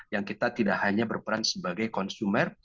yang kita tidak hanya berperan sebagai konsumer